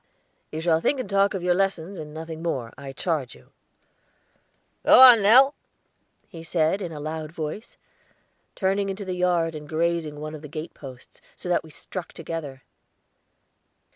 "You shall think and talk of your lessons, and nothing more, I charge you. Go on, Nell," he said, in a loud voice, turning into the yard and grazing one of the gate posts, so that we struck together.